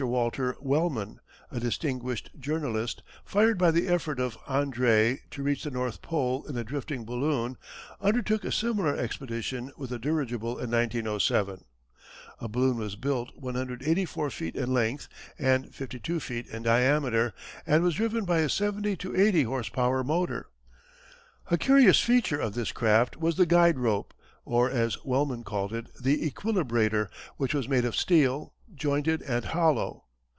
Walter Wellman, a distinguished journalist, fired by the effort of Andrée to reach the North Pole in a drifting balloon, undertook a similar expedition with a dirigible in 1907. A balloon was built 184 feet in length and 52 feet in diameter, and was driven by a seventy to eighty horse power motor. A curious feature of this craft was the guide rope or, as Wellman called it, the equilibrator, which was made of steel, jointed and hollow.